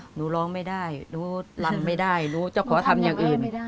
หนูร้องไม่ได้รู้รำไม่ได้รู้จะขอทำอย่างอื่น